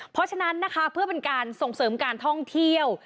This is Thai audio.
เพราะฉะนั้นนะคะเพื่อเป็นการส่งเสริมการท่องเที่ยว